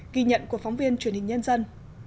ghi nhận của phóng viên truyền hình nhân dân